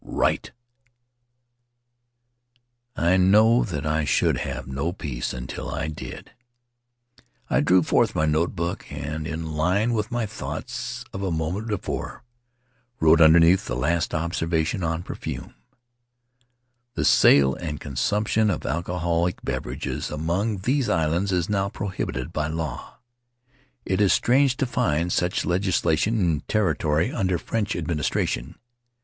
Write!" I know that I should have no peace until I did, so I drew forth my notebook and, in line with my thoughts of a moment before, wrote, underneath the last observa tion on perfume: "The sale and consumption of alcoholic beverages among these islands is now pro hibited by law. It is strange to find such legislation in territory under French administration.